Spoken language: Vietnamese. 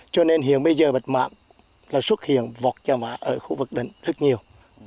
cho nên hiện bây giờ bạch mạc xuất hiện vọc trà vá ở khu vực đất rất nhiều